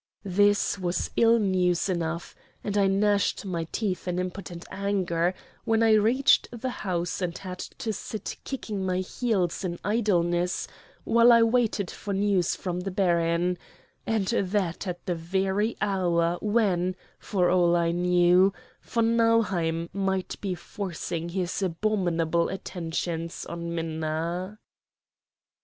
This was ill news enough, and I gnashed my teeth in impotent anger, when I reached the house and had to sit kicking my heels in idleness while I waited for news from the baron; and that at the very hour when, for all I knew, von Nauheim might be forcing his abominable attentions on Minna.